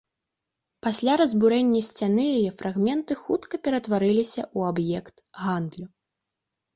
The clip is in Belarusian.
Пасля разбурэння сцяны яе фрагменты хутка ператварыліся ў аб'ект гандлю.